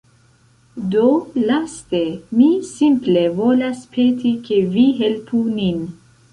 Do, laste mi simple volas peti ke vi helpu nin.